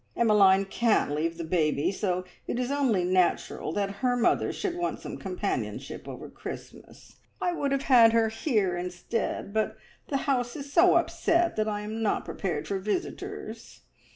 Emmeline can't leave the baby, so it is only natural that her mother should want some companionship over Christmas. I would have had her here instead, but the house is so upset that I am not prepared for visitors.